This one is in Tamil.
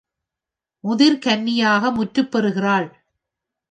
முதிர் கன்னியாக முற்றுப் பெறுகிறாள்.